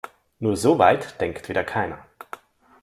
Nur so weit denkt wieder keiner.